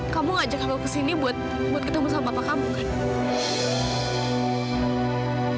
kamu ngajak aku kesini buat ketemu sama papa kamu kan